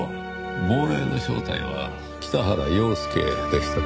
亡霊の正体は北原陽介でしたか。